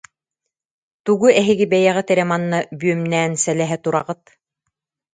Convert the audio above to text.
Тугу эһиги бэйэҕит эрэ манна бүөмнээн сэлэһэ тураҕыт